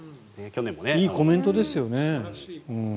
いいコメントですよね。